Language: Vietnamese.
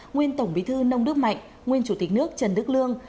nguyên tổng bí thư nông đức mạnh nguyên chủ tịch nước trần đức lương